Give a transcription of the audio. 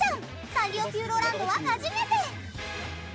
サンリオピューロランドは初めて。